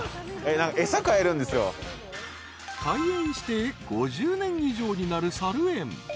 ［開園して５０年以上になる］